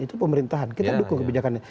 itu pemerintahan kita dukung kebijakan ini